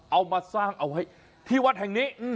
เอามาสร้างเอาไว้ที่วัดแห่งนี้